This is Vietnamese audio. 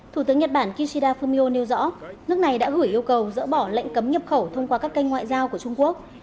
thủ tướng nhật bản kishida fumio nêu rõ nước này đã gửi yêu cầu dỡ bỏ lệnh cấm nhập khẩu thông qua các kênh ngoại giao của trung quốc